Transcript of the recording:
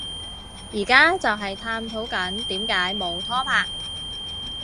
而家就係探討緊點解冇拖拍